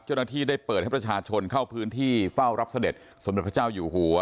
เจ้าหน้าที่ได้เปิดให้ประชาชนเข้าพื้นที่เฝ้ารับเสด็จสมเด็จพระเจ้าอยู่หัว